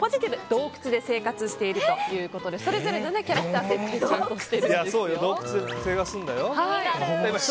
洞窟で生活しているということでそれぞれのキャラクター設定をしているそうです。